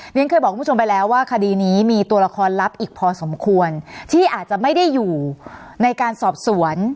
เรียนเคยบอกคุณผู้ชมไปแล้วว่าคดีนี้มีตัวละครลับอีกพอสมควรที่อาจจะไม่ได้อยู่ในการสอบสวน